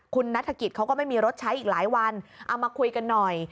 คุณนัฐกิจเขาก็ไม่มีรถใช้อีกหลายวันเอามาคุยกันหน่อย